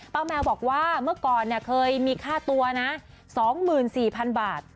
แมวบอกว่าเมื่อก่อนเคยมีค่าตัวนะ๒๔๐๐๐บาท